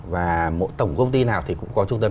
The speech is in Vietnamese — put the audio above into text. và mỗi tổng công ty nào thì cũng có trung tâm